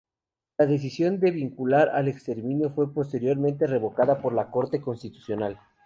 La decisión de vincular al exministro fue posteriormente revocada por la Corte Constitucional.